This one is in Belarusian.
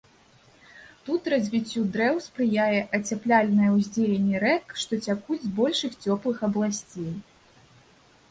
Тут развіццю дрэў спрыяе ацяпляльнае ўздзеянне рэк, што цякуць з больш цёплых абласцей.